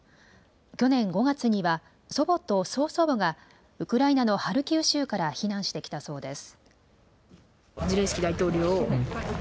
去年５月には、祖母と曽祖母が、ウクライナのハルキウ州から避難してきたそうです。